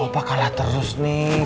opa kalah terus nih